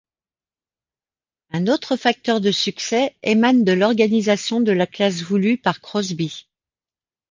Un autre facteur de succès émane de l'organisation de la classe voulue par Crosby.